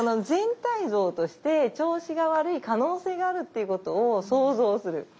全体像として調子が悪い可能性があるっていうことを想像する。